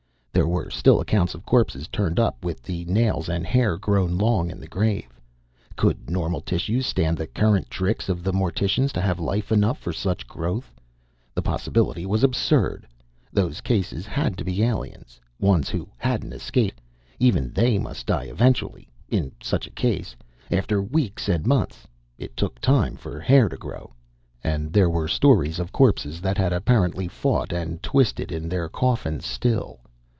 There were still accounts of corpses turned up with the nails and hair grown long in the grave. Could normal tissues stand the current tricks of the morticians to have life enough for such growth? The possibility was absurd. Those cases had to be aliens ones who hadn't escaped. Even they must die eventually in such a case after weeks and months! It took time for hair to grow. And there were stories of corpses that had apparently fought and twisted in their coffins still.